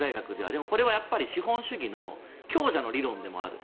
でもこれはやっぱり資本主義の強者の理論でもある。